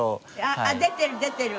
あっ出てる出てる。